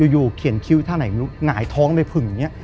อยู่เขียนคิ้วท่าไหนหงายท้องไปผึ่งอย่างนี้